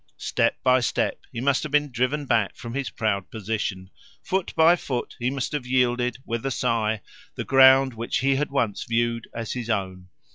Step by step he must have been driven back from his proud position; foot by foot he must have yielded, with a sigh, the ground which he had once viewed as his own.